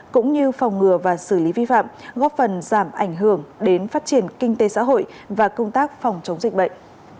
cũng như phòng ngừa và xử lý vi phạm góp phần giảm ảnh hưởng đến phát triển kinh tế xã hội và công tác phòng chống dịch bệnh